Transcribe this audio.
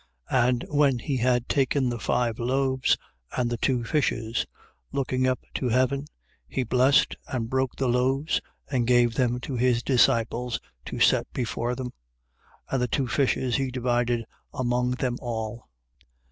6:41. And when he had taken the five loaves, and the two fishes: looking up to heaven, he blessed, and broke the loaves, and gave to his disciples to set before them: and the two fishes he divided among them all.